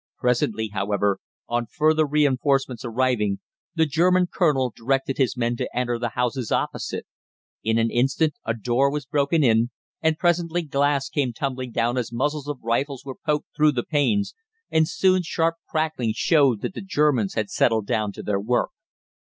Presently, however, on further reinforcements arriving, the German colonel directed his men to enter the houses opposite. In an instant a door was broken in, and presently glass came tumbling down as muzzles of rifles were poked through the panes, and soon sharp crackling showed that the Germans had settled down to their work.